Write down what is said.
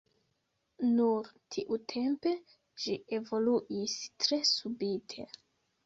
Nur tiutempe ĝi evoluis tre subite.